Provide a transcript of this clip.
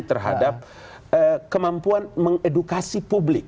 terhadap kemampuan mengedukasi publik